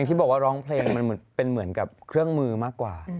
ที่บอกว่าร้องเพลงมันเป็นเหมือนกับเครื่องมือมากกว่า